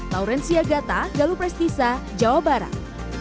laurencia gata galuh prestisa jawa barat